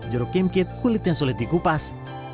jeruk kimkit kulitnya sulit dikupas